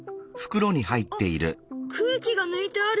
あっ空気が抜いてある。